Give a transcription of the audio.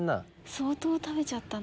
相当食べちゃったな。